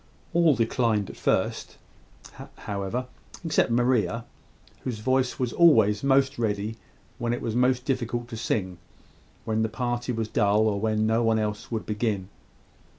All declined at first, however, except Maria, whose voice was always most ready when it was most difficult to sing when the party was dull, or when no one else would begin.